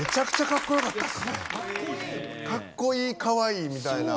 かっこいいかわいいみたいな。